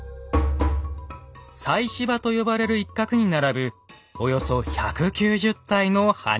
「祭祀場」と呼ばれる一角に並ぶおよそ１９０体の埴輪群。